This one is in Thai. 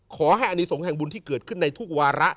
ขอให้อนิสงฆ์แห่งบุญที่เกิดขึ้นในทุกวาระ